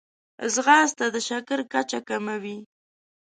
ځغاسته د شکر کچه کموي